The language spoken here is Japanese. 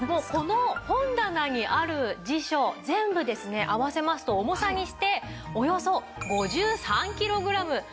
この本棚にある辞書全部ですね合わせますと重さにしておよそ５３キログラム。